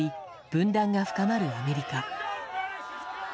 分断が深まるアメリカ。